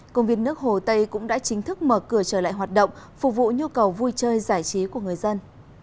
công viên nước hồ tây cũng đã chính thức mở cửa trở lại hoạt động phục vụ nhu cầu vui chơi giải trí của người dân